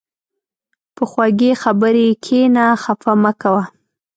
په خوږې خبرې کښېنه، خفه مه کوه.